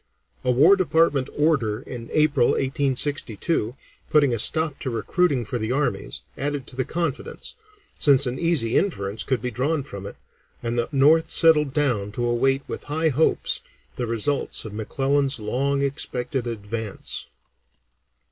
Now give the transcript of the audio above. A War Department order in April, 1862, putting a stop to recruiting for the armies, added to the confidence, since an easy inference could be drawn from it, and the North settled down to await with high hopes the results of McClellan's long expected advance.